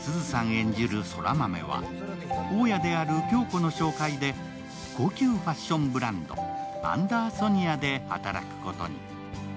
演じる空豆は大宅である響子の紹介で高級ファッションブランド、アンダーソニアで働くことに。